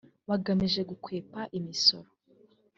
bagamije gukwepa imisoro